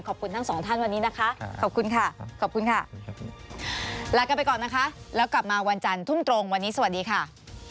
ขอบคุณค่ะแล้วกันไปก่อนนะคะแล้วกลับมาวันจันทร์ทุ่มตรงวันนี้สวัสดีค่ะ